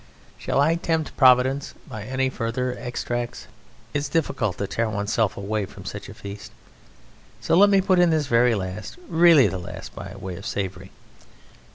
Shall I tempt Providence by any further extracts? ... It is difficult to tear oneself away from such a feast. So let me put in this very last, really the last, by way of savoury.